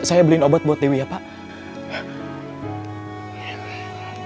saya beliin obat buat dewi ya pak